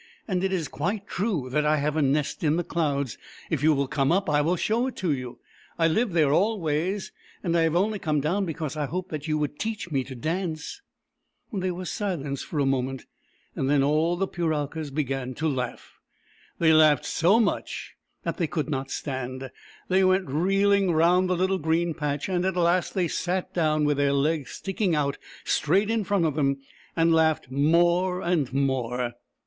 And it is quite true that I have a nest in the clouds — if you will come up, I will show it to you. I live there always, and I have only come down because I hoped that you would teach me to dance !" There was silence for a moment, and then all the Puralkas began to laugh. They laughed so much that they could not stand — they went reel ing round the little green patch, and at last they sat down, with their legs sticking out straight in front of them, and laughed more and more.